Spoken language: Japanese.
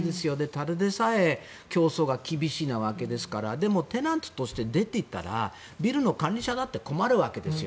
ただでさえ競争が厳しいわけですからでもテナントとして出ていったらビルの管理者だって困るわけですよ。